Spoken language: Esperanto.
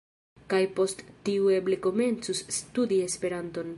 Kaj post tiu eble komencus studi Esperanton